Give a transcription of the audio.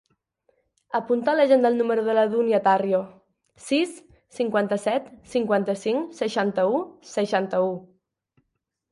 Apunta a l'agenda el número de la Dúnia Tarrio: sis, cinquanta-set, cinquanta-cinc, seixanta-u, seixanta-u.